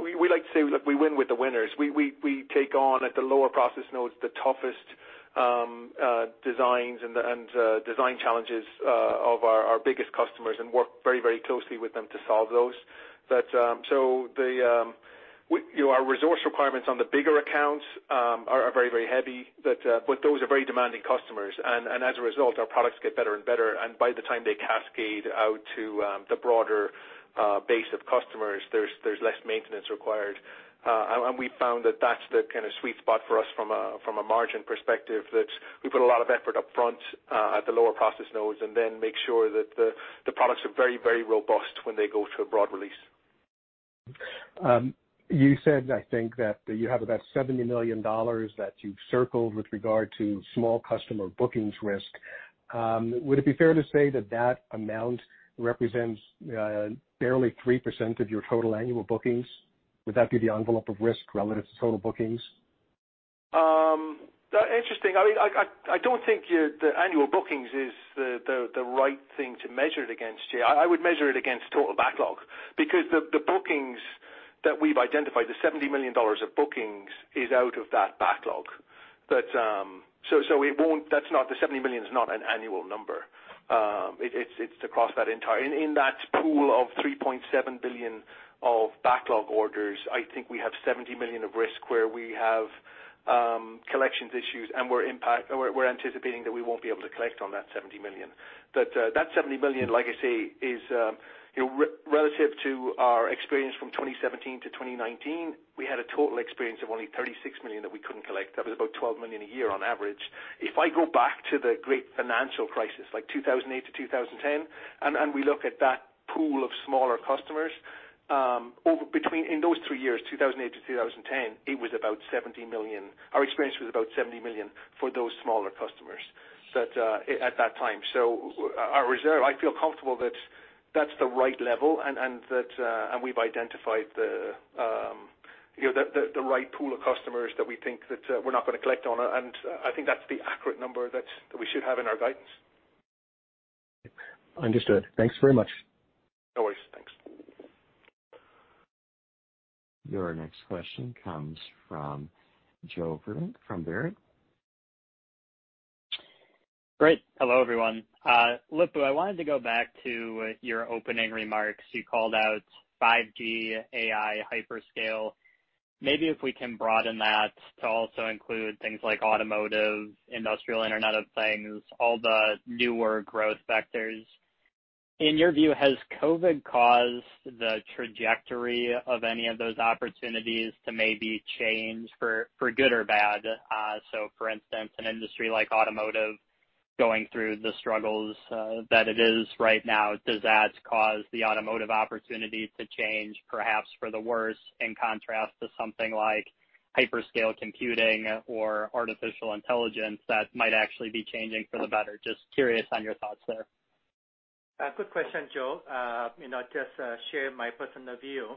we like to say, look, we win with the winners. We take on at the lower process nodes, the toughest designs and design challenges of our biggest customers and work very closely with them to solve those. Our resource requirements on the bigger accounts are very heavy, but those are very demanding customers. As a result, our products get better and better, and by the time they cascade out to the broader base of customers, there's less maintenance required. We found that that's the kind of sweet spot for us from a margin perspective, that we put a lot of effort up front at the lower process nodes and then make sure that the products are very robust when they go to a broad release. You said, I think, that you have about $70 million that you've circled with regard to small customer bookings risk. Would it be fair to say that that amount represents barely 3% of your total annual bookings? Would that be the envelope of risk relative to total bookings? Interesting. I don't think the annual bookings is the right thing to measure it against, Jay. I would measure it against total backlog, because the bookings that we've identified, the $70 million of bookings, is out of that backlog. The $70 million is not an annual number. In that pool of $3.7 billion of backlog orders, I think we have $70 million of risk where we have collections issues, and we're anticipating that we won't be able to collect on that $70 million. That $70 million, like I say, is relative to our experience from 2017 to 2019. We had a total experience of only $36 million that we couldn't collect. That was about $12 million a year on average. If I go back to the great financial crisis, like 2008 to 2010, and we look at that pool of smaller customers, in those three years, 2008 to 2010, our experience was about $70 million for those smaller customers at that time. Our reserve, I feel comfortable that that's the right level and we've identified the right pool of customers that we think that we're not going to collect on. I think that's the accurate number that we should have in our guidance. Understood. Thanks very much. No worries. Thanks. Your next question comes from Joe Vruwink from Baird. Great. Hello, everyone. Lip-Bu, I wanted to go back to your opening remarks. You called out 5G AI hyperscale. Maybe if we can broaden that to also include things like automotive, industrial Internet of Things, all the newer growth vectors. In your view, has COVID caused the trajectory of any of those opportunities to maybe change for good or bad? For instance, an industry like automotive going through the struggles that it is right now, does that cause the automotive opportunity to change, perhaps for the worse, in contrast to something like hyperscale computing or artificial intelligence that might actually be changing for the better? Just curious on your thoughts there. Good question, Joe. Just share my personal view.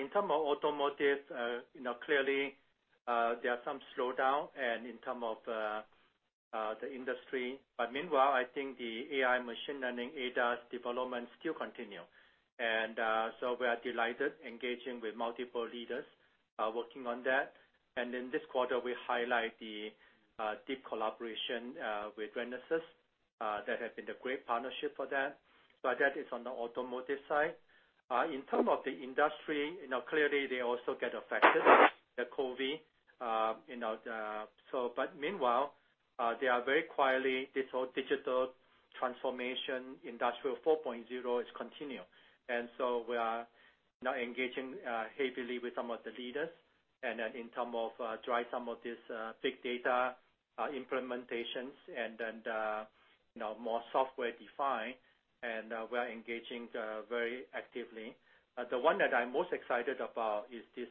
In term of automotive, clearly, there are some slowdown and in term of the industry. Meanwhile, I think the AI machine learning ADAS development still continue. We are delighted engaging with multiple leaders working on that. In this quarter, we highlight the deep collaboration with Renesas. That has been a great partnership for that. That is on the automotive side. In term of the industry, clearly they also get affected with COVID. Meanwhile, they are very quietly, this whole digital transformation, Industry 4.0 is continue. We are now engaging heavily with some of the leaders and then in term of drive some of this big data implementations and then more software-defined, and we're engaging very actively. The one that I'm most excited about is this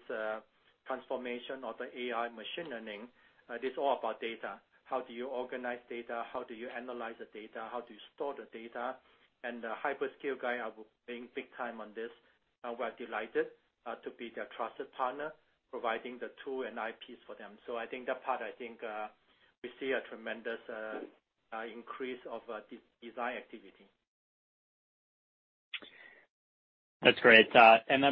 transformation of the AI machine learning. It is all about data. How do you organize data? How do you analyze the data? How do you store the data? The hyperscale guy are working big time on this, and we're delighted to be their trusted partner, providing the tool and IPs for them. I think that part, we see a tremendous increase of design activity. That's great.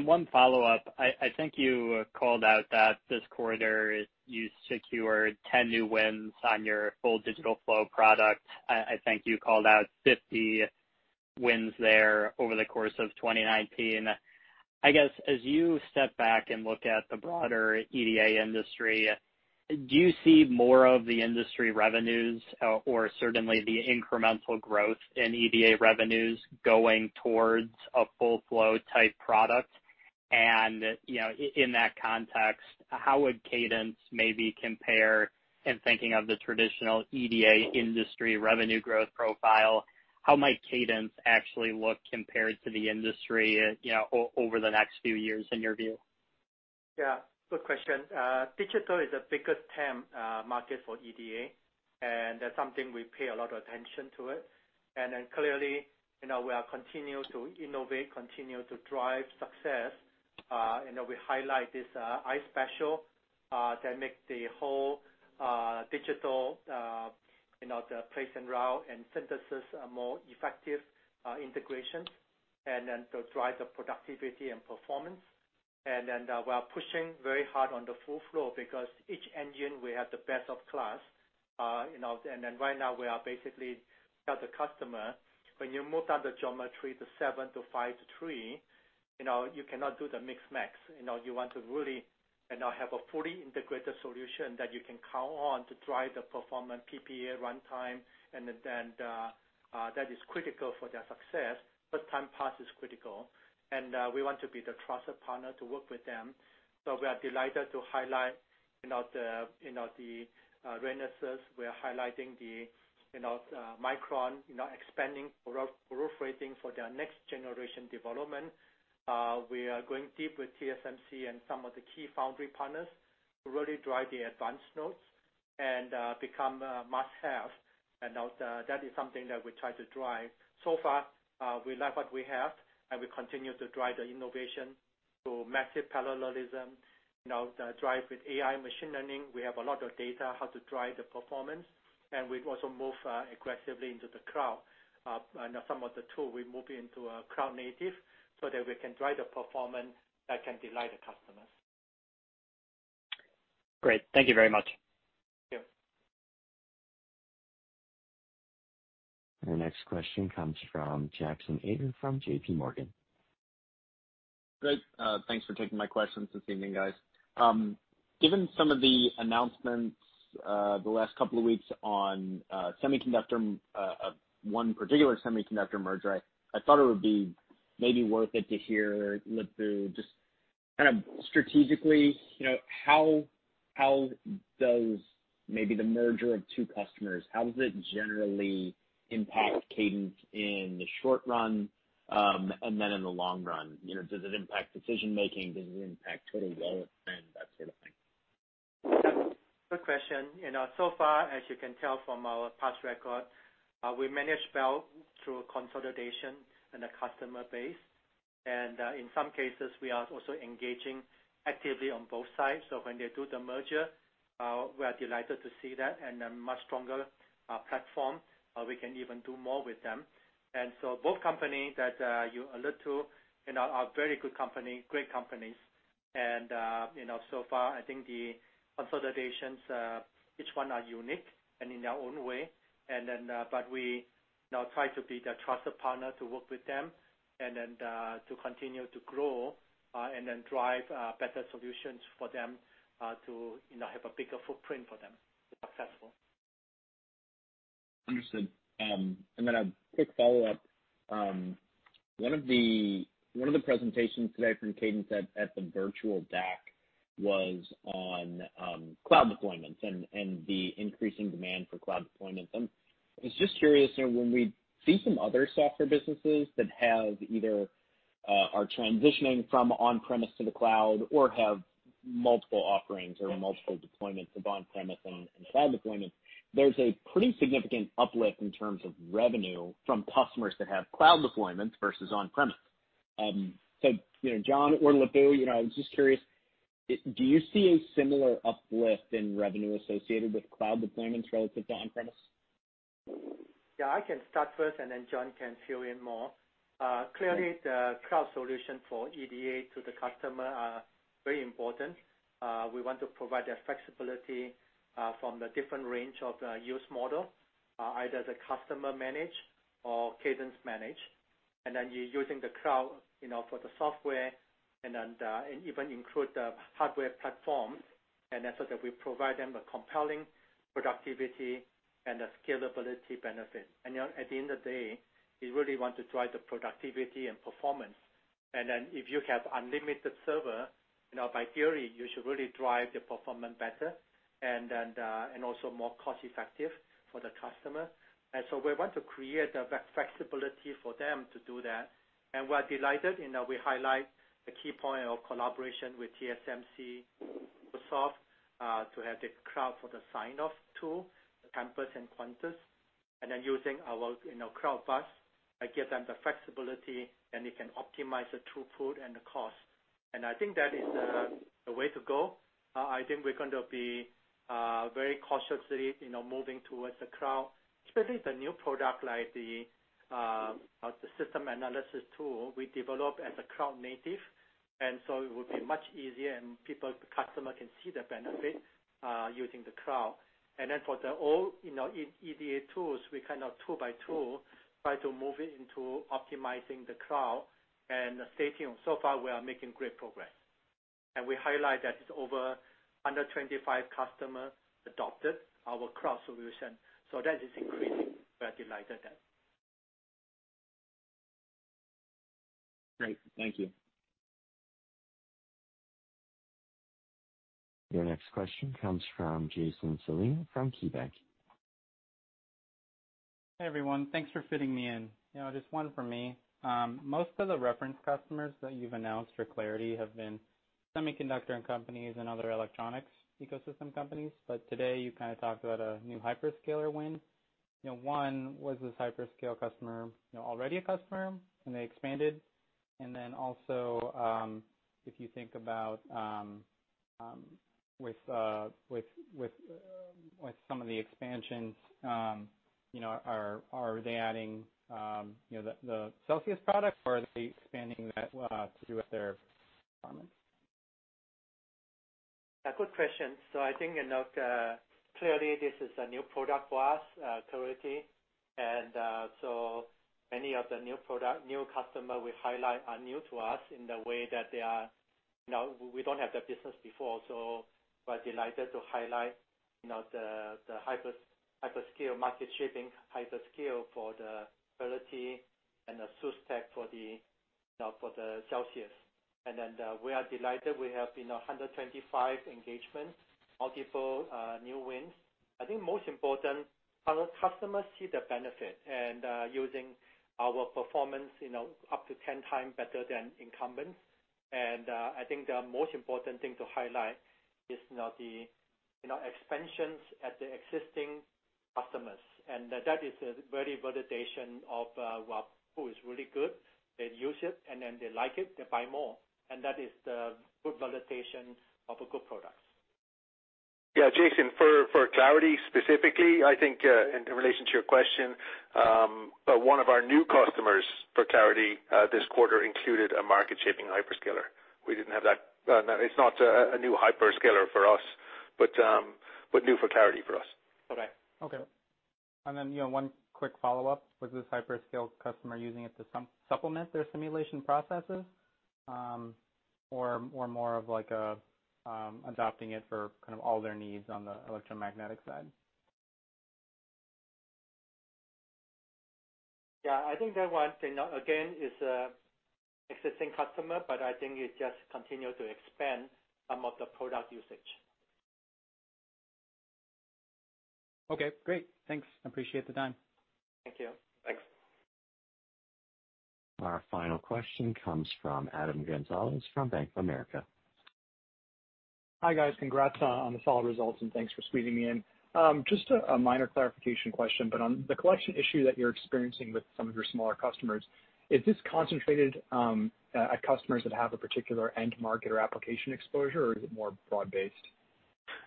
One follow-up. I think you called out that this quarter you secured 10 new wins on your full digital flow product. I think you called out 50 wins there over the course of 2019. I guess as you step back and look at the broader EDA industry, do you see more of the industry revenues or certainly the incremental growth in EDA revenues going towards a full flow type product? In that context, how would Cadence maybe compare in thinking of the traditional EDA industry revenue growth profile? How might Cadence actually look compared to the industry over the next few years in your view? Yeah. Good question. Digital is the biggest TAM market for EDA. That's something we pay a lot of attention to it. Clearly, we are continue to innovate, continue to drive success. We highlight this iSpatial that make the whole digital, the place and route and synthesis a more effective integration. To drive the productivity and performance. We are pushing very hard on the full flow because each engine, we have the best of class. Right now we are basically tell the customer, when you move down the geometry to seven to five to three, you cannot do the mix max. You want to really have a fully integrated solution that you can count on to drive the performance PPA runtime. That is critical for their success. Timing paths is critical, and we want to be the trusted partner to work with them. We are delighted to highlight the Renesas. We are highlighting the Micron expanding proliferating for their next generation development. We are going deep with TSMC and some of the key foundry partners to really drive the advanced node and become a must-have. That is something that we try to drive. Far, we like what we have, and we continue to drive the innovation through massive parallelism, the drive with AI machine learning. We have a lot of data on how to drive the performance, and we also move aggressively into the cloud. Some of the tools we move into cloud native, so that we can drive the performance that can delight the customers. Great. Thank you very much. Thank you. The next question comes from Jackson Ader from JPMorgan. Great. Thanks for taking my questions this evening, guys. Given some of the announcements the last couple of weeks on one particular semiconductor merger, I thought it would be maybe worth it to hear, Lip-Bu, just kind of strategically, how does maybe the merger of two customers, how does it generally impact Cadence in the short run, and then in the long run? Does it impact decision-making? Does it impact total flow and that sort of thing? Good question. Far, as you can tell from our past record, we manage well through consolidation in the customer base. In some cases, we are also engaging actively on both sides. When they do the merger, we are delighted to see that, and a much stronger platform. We can even do more with them. Both companies that you allude to are very good companies, great companies. Far, I think the consolidations, each one are unique and in their own way. We now try to be the trusted partner to work with them, and then to continue to grow and then drive better solutions for them to have a bigger footprint for them to be successful. Understood. A quick follow-up. One of the presentations today from Cadence at the virtual DAC was on cloud deployments and the increasing demand for cloud deployments. I was just curious, when we see some other software businesses that either are transitioning from on-premise to the cloud or have multiple offerings or multiple deployments of on-premise and cloud deployments, there's a pretty significant uplift in terms of revenue from customers that have cloud deployments versus on-premise. John or Lip-Bu, I was just curious, do you see a similar uplift in revenue associated with cloud deployments relative to on-premise? Yeah, I can start first, and then John can fill in more. Clearly, the cloud solution for EDA to the customer are very important. We want to provide the flexibility from the different range of use model, either the customer manage or Cadence manage. You're using the cloud for the software and even include the hardware platform, and that's so that we provide them a compelling productivity and a scalability benefit. At the end of the day, we really want to drive the productivity and performance. If you have unlimited server, by theory, you should really drive the performance better and also more cost-effective for the customer. We want to create the flexibility for them to do that. We're delighted, we highlight the key point of collaboration with TSMC, Microsoft to have the cloud for the sign-off tool, Tempus and Quantus, using our CloudBurst, give them the flexibility, they can optimize the throughput and the cost. I think that is the way to go. I think we're going to be very cautiously moving towards the cloud, especially the new product, like the System Analysis tool we develop as a cloud native. It would be much easier, customer can see the benefit using the cloud. For the old EDA tools, we kind of tool by tool, try to move it into optimizing the cloud and stating so far we are making great progress. We highlight that it's over 125 customers adopted our cloud solution. That is increasing. We are delighted at that. Great. Thank you. Your next question comes from Jason Celino from KeyBanc. Hey, everyone. Thanks for fitting me in. Just one from me. Most of the reference customers that you've announced for Clarity have been semiconductor and companies and other electronics ecosystem companies. Today, you kind of talked about a new hyperscaler win. One, was this hyperscale customer already a customer and they expanded? Also, if you think about with some of the expansions, are they adding the Celsius product, or are they expanding that through their requirements? Good question. I think clearly this is a new product for us, Clarity. Many of the new customer we highlight are new to us in the way that we don't have that business before. We're delighted to highlight the hyperscale market-shaping hyperscale for the Clarity and the System Analysis for the Celsius. We are delighted we have 125 engagements, multiple new wins. I think most important, our customers see the benefit and using our performance up to 10 times better than incumbents. I think the most important thing to highlight is the expansions at the existing customers, that is a validation of what tool is really good. They use it, and then they like it, they buy more. That is the good validation of a good product. Yeah, Jason, for Clarity specifically, I think in relation to your question, one of our new customers for Clarity this quarter included a market-shaping hyperscaler. It's not a new hyperscaler for us, but new for Clarity for us. Okay. Okay. One quick follow-up. Was this hyperscale customer using it to supplement their simulation processes, or more of adopting it for kind of all their needs on the electromagnetic side? Yeah, I think that one, again, is existing customer, but I think it just continued to expand some of the product usage. Okay, great. Thanks. Appreciate the time. Thank you. Thanks. Our final question comes from Adam Gonzalez from Bank of America. Hi, guys. Congrats on the solid results. Thanks for squeezing me in. On the collection issue that you are experiencing with some of your smaller customers, is this concentrated at customers that have a particular end market or application exposure, or is it more broad-based?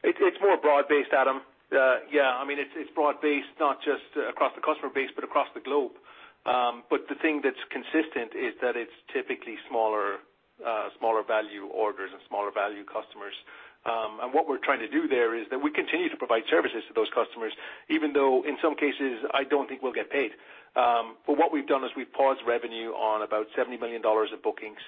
It's more broad-based, Adam. Yeah, it's broad-based, not just across the customer base, but across the globe. The thing that's consistent is that it's typically smaller value orders and smaller value customers. What we're trying to do there is that we continue to provide services to those customers, even though in some cases, I don't think we'll get paid. What we've done is we've paused revenue on about $70 million of bookings.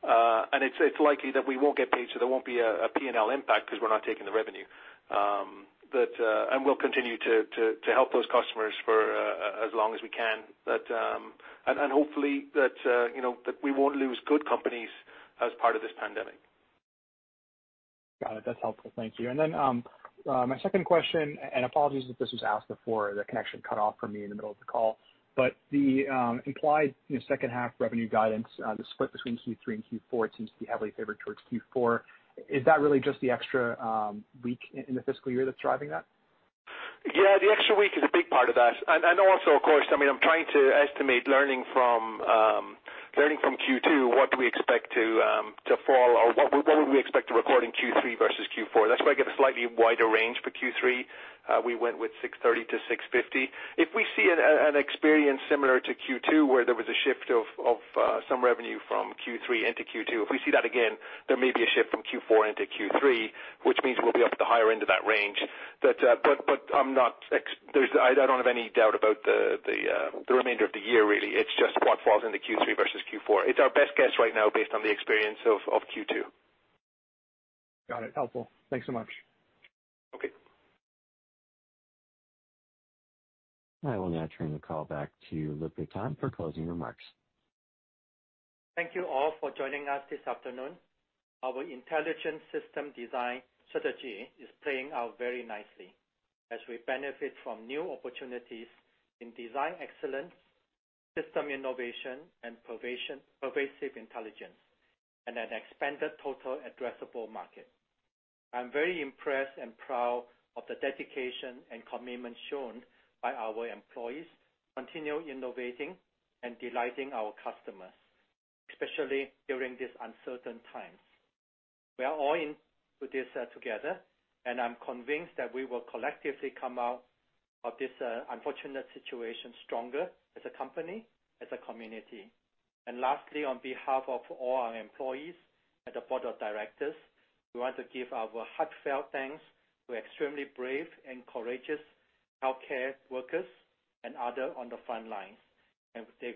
It's likely that we won't get paid, so there won't be a P&L impact because we're not taking the revenue. We'll continue to help those customers for as long as we can. Hopefully that we won't lose good companies as part of this pandemic. Got it. That's helpful. Thank you. My second question, apologies if this was asked before, the connection cut off for me in the middle of the call. The implied second half revenue guidance, the split between Q3 and Q4, it seems to be heavily favored towards Q4. Is that really just the extra week in the fiscal year that's driving that? Yeah, the extra week is a big part of that. Also, of course, I'm trying to estimate learning from Q2, what do we expect to fall or what would we expect to record in Q3 versus Q4? That's why I get a slightly wider range for Q3. We went with $630-$650. If we see an experience similar to Q2, where there was a shift of some revenue from Q3 into Q2, if we see that again, there may be a shift from Q4 into Q3, which means we'll be up at the higher end of that range. I don't have any doubt about the remainder of the year, really. It's just what falls into Q3 versus Q4. It's our best guess right now based on the experience of Q2. Got it. Helpful. Thanks so much. Okay. I will now turn the call back to Lip-Bu Tan for closing remarks. Thank you all for joining us this afternoon. Our intelligent system design strategy is playing out very nicely as we benefit from new opportunities in design excellence, system innovation, and pervasive intelligence, and an expanded total addressable market. I'm very impressed and proud of the dedication and commitment shown by our employees, continue innovating and delighting our customers, especially during these uncertain times. I'm convinced that we will collectively come out of this unfortunate situation stronger as a company, as a community. Lastly, on behalf of all our employees and the board of directors, we want to give our heartfelt thanks to extremely brave and courageous healthcare workers and other on the front lines, as they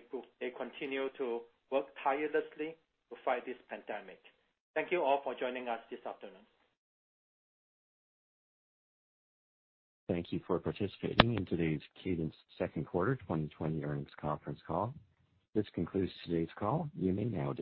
continue to work tirelessly to fight this pandemic. Thank you all for joining us this afternoon. Thank you for participating in today's Cadence second quarter 2020 earnings conference call. This concludes today's call. You may now disconnect.